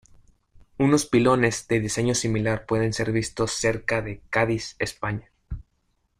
Unos pilones de diseño similar pueden ser vistos cerca de Cádiz, España.